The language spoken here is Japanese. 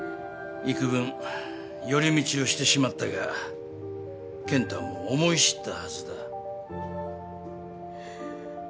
幾分寄り道をしてしまったが健太も思い知ったはずだ。